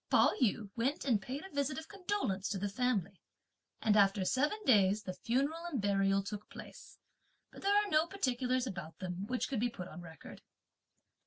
Pao yü went and paid a visit of condolence to the family, and after seven days the funeral and burial took place, but there are no particulars about them which could be put on record.